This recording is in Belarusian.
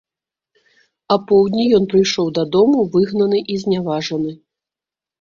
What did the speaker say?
Апоўдні ён прыйшоў дадому выгнаны і зняважаны.